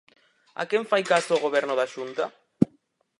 ¿A quen fai caso o Goberno da Xunta?